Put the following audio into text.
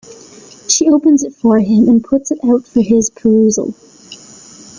She opens it for him and puts it out for his perusal.